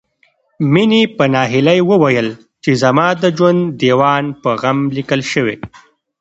مينې په ناهيلۍ وويل چې زما د ژوند ديوان په غم ليکل شوی